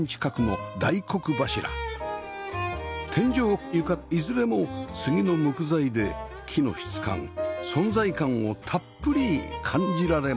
天井床いずれも杉の無垢材で木の質感存在感をたっぷり感じられます